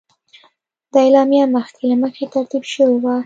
دا اعلامیه مخکې له مخکې ترتیب شوې وه.